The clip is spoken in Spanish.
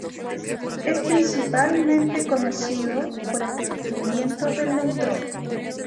Es principalmente conocido por el descubrimiento del neutrón.